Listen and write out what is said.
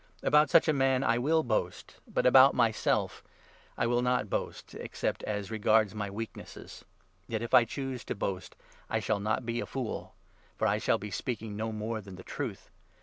About such a 5 man I will boast, but about myself I will not boast except as regards my weaknesses. Yet if I choose to boast, I shall 6 not be a fool ; for I shall be speaking no more than the truth.